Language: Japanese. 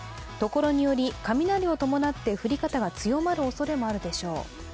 ところにより雷を伴って降り方が強まるおそれもあるでしょう。